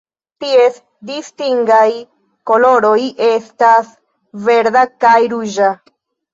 Ties distingaj koloroj estas verda kaj ruĝa.